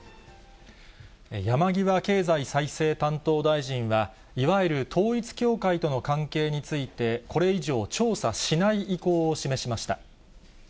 山際経済再生担当大臣は、いわゆる統一教会との関係について、これ以上、調査しない意向を示しました。